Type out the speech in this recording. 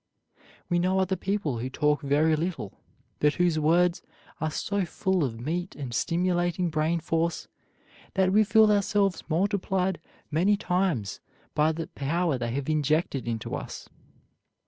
We know other people who talk very little, but whose words are so full of meat and stimulating brain force that we feel ourselves multiplied many times by the power they have injected into us.